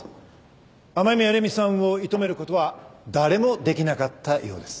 天宮麗美さんを射止める事は誰もできなかったようです。